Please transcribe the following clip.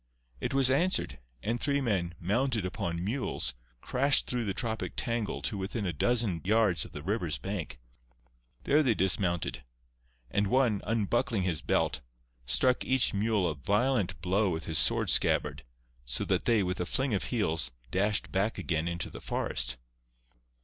It was answered; and three men, mounted upon mules, crashed through the tropic tangle to within a dozen yards of the river's bank. There they dismounted; and one, unbuckling his belt, struck each mule a violent blow with his sword scabbard, so that they, with a fling of heels, dashed back again into the forest.